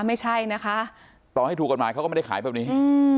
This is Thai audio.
ไม่ใช่นะคะต่อให้ถูกกฎหมายเขาก็ไม่ได้ขายแบบนี้